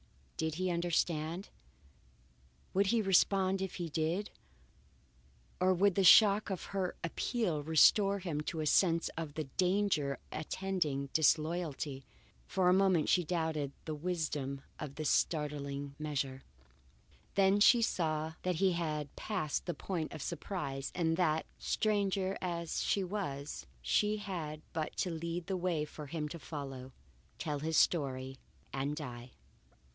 Did he understand? Would he respond if he did; or would the shock of her appeal restore him to a sense of the danger attending disloyalty? For a moment she doubted the wisdom of this startling measure, then she saw that he had passed the point of surprise and that, stranger as she was, she had but to lead the way for him to follow, tell his story, and die.